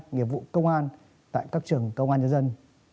nghiệp vụ công an tại các trường công an nhân dân